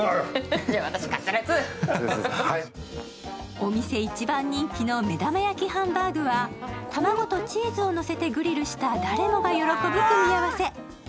お店一番人気の目玉焼きハンバーグは卵とチーズをのせてグリルした、誰もが喜ぶ組み合わせ。